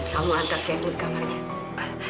saya mau antar kevin ke kamarnya